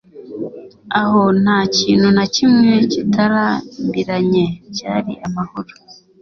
aho nta kintu na kimwe kitarambiranye - byari amahoro